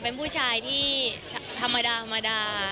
เป็นผู้ชายที่ธรรมดา